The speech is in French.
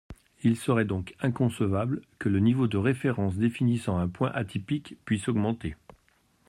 Il serait donc inconcevable que le niveau de référence définissant un point atypique puisse augmenter.